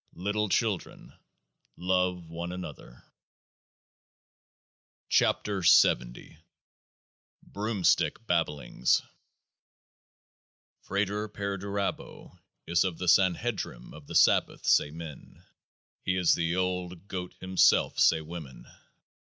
Little children, love one another ! 86 KEOAAH O BROOMSTICK BABBLINGS FRATER PERDURABO is of the Sanhedrim of the Sabbath, say men ; He is the Old Goat himself, say women.